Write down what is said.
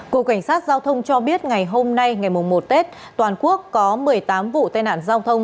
cục cảnh sát giao thông cho biết ngày hôm nay ngày một tết toàn quốc có một mươi tám vụ tai nạn giao thông